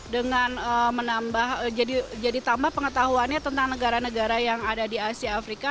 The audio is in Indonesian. dengan menambah jadi tambah pengetahuannya tentang negara negara yang ada di asia afrika